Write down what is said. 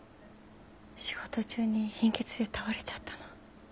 仕事中に貧血で倒れちゃったの。